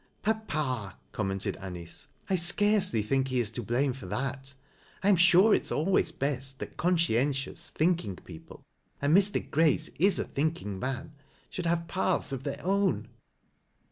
" Papa," commented Anice, " I scarcely think he is U: blame for that. I am sure it is always best, that consd entious, thinking people — and Mr. Grace is a tliinkiii^' man — should have paths of their own."